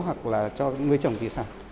hoặc là cho người trồng thì sao